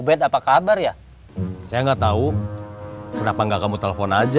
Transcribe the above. uh bed apa kabar ya saya nggak tahu kenapa nggak kamu telepon aja